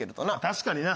確かにな。